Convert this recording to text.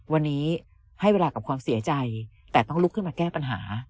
วันนี้ให้เวลากับความเสียใจแต่ต้องลุกขึ้นมาแก้ปัญหา